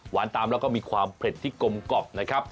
หวานตามแล้วก็มีความเผ็ดที่กมกอบนะครับ